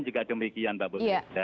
juga demikian mbak putri